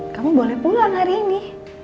kamu boleh pulang hari ini